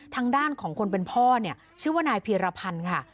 ทางด้านของคนเป็นพ่อเนี่ยชื่อว่านายพีรพันธ์ค่ะ